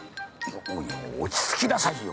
落ち着きなさいよ。